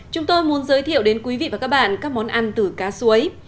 chúng tôi muốn giới thiệu đến quý vị và các bạn các món ăn từ cá suối